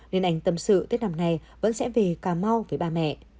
nên anh tâm sự tết năm nay vẫn sẽ về cà mau với ba mẹ